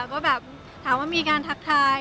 ก็แบบถามว่ามีการทักทาย